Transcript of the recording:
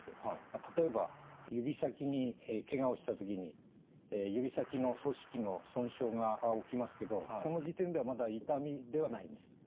例えば指先にけがをした時に指先の組織の損傷が起きますけどこの時点ではまだ痛みではないんです。